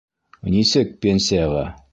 Нисек пенсияға?